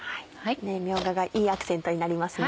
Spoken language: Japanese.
みょうががいいアクセントになりますね。